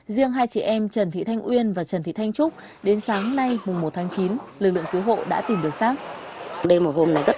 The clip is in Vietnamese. riêng hai chị em trần thị thanh uyên và trần thị thanh trúc đến sáng nay mùng một tháng chín lực lượng cứu hộ đã tìm được sát